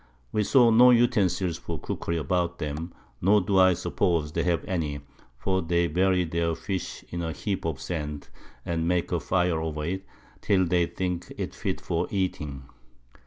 We saw no Utensils for Cookery about them, nor do I suppose they have any; for they bury their Fish in a Heap of Sand, and make a Fire over it, till they think it fit for eating.